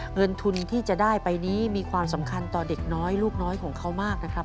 เงินทุนที่จะได้ไปนี้มีความสำคัญต่อเด็กน้อยลูกน้อยของเขามากนะครับ